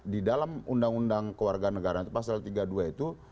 di dalam undang undang keluarga negaraan itu pasal tiga puluh dua itu